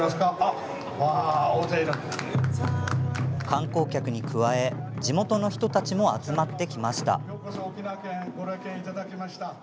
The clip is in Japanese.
観光客に加え地元の人たちも集まってきました。